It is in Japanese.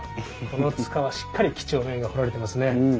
この束はしっかり几帳面が彫られてますね。